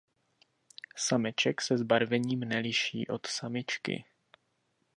Sameček se zbarvením neliší od samičky.